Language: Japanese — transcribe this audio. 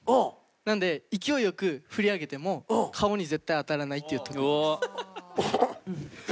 なんで勢いよく振り上げても顔に絶対当たらないっていう特技です。